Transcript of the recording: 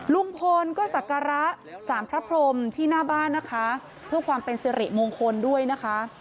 ลุงพลก็สักการะสารพระพรมที่หน้าบ้านนะคะเพื่อความเป็นสิริมงคลด้วยนะคะ